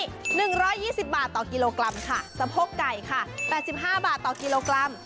ช่วงนี้๑๒๐บาทต่อกิโลกรัมค่ะสะพกไก่ค่ะ๘๕บาทต่อกิโลกรัม